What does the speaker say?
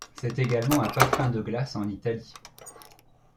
C'est également un parfum de glace en Italie.